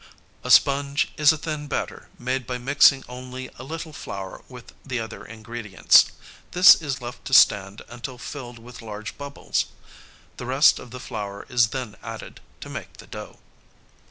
] A sponge is a thin batter made by mixing only a little flour with the other ingredients. This is left to stand until filled with large bubbles. The rest of the flour is then added, to make the dough.